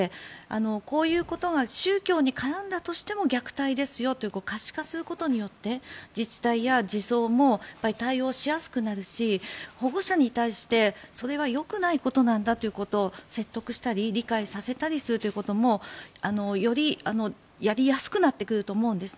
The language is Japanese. こういうことが宗教に絡んだとしても虐待ですよと可視化することによって自治体や児相も対応しやすくなるし保護者に対してそれはよくないことなんだということを説得したり理解させたりするということもよりやりやすくなってくると思うんです。